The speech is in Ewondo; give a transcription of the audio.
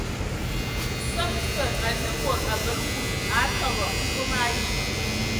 Səm fə anə mod abələ ngul atɔbɔ e vom ayi.